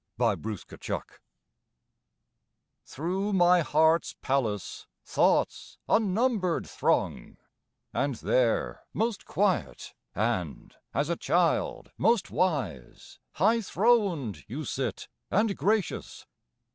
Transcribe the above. Day and Night Through my heart's palace Thoughts unnumbered throng; And there, most quiet and, as a child, most wise, High throned you sit, and gracious.